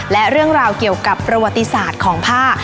และเรื่องราวเกี่ยวกับประวัติศาสตร์ของผ้า